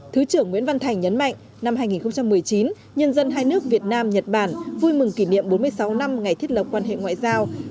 thứ trưởng nguyễn văn thành nhấn mạnh năm hai nghìn một mươi chín nhân dân hai nước việt nam nhật bản vui mừng kỷ niệm bốn mươi sáu năm ngày thiết lập quan hệ ngoại giao